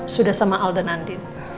sudah sama alda nandin